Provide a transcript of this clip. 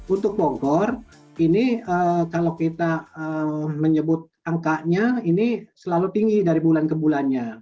untuk bogor ini kalau kita menyebut angkanya ini selalu tinggi dari bulan ke bulannya